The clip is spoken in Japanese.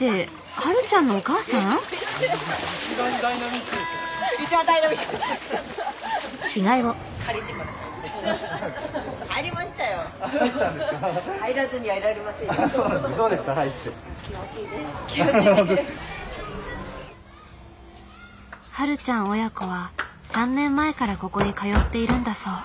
はるちゃん親子は３年前からここに通っているんだそう。